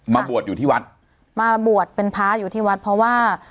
บวชอยู่ที่วัดมาบวชเป็นพระอยู่ที่วัดเพราะว่า